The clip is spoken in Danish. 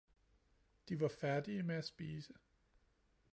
De var færdige med at spise.